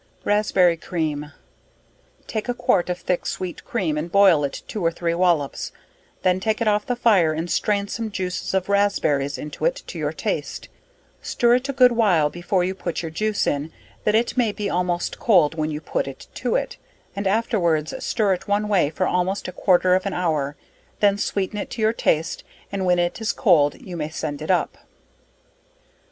Raspberry Cream. Take a quart of thick sweet cream and boil it two or three wallops, then take it off the fire and strain some juices of raspberries into it to your taste, stir it a good while before you put your juice in, that it may be almost cold, when you put it to it, and afterwards stir it one way for almost a quarter of an hour; then sweeten it to your taste and when it is cold you may send it up.